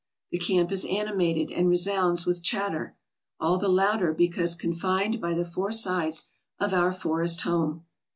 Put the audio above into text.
The camp is animated and re sounds with chatter, all the louder because confined by the four sides of our forest home.